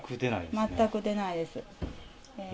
全く出ないです。